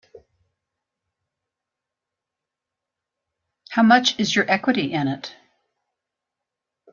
How much is your equity in it?